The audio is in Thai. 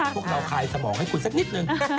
พวกเราคลายสมองให้คุณสักนิดนึง